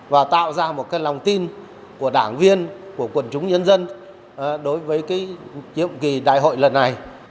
và tạo ra một lòng tin của đảng viên của quần chúng nhân dân đối với nhiệm kỳ đại hội lần này